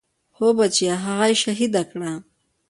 هو بچيه هغه يې شهيده کړه.